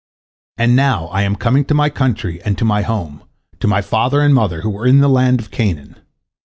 And now I am coming to my country and to my home, to my father and mother, who are in the land of Canaan.